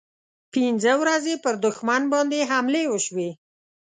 پنځه ورځې پر دښمن باندې حملې وشوې.